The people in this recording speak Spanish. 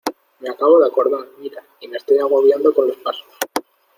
me acabo de acordar. mira, y me estoy agobiando con los pasos .